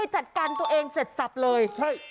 จัดการตัวเองเสร็จสับเลย